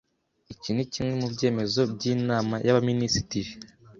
Iki ni kimwe mu byemezo by’inama y’ Abaminisitiri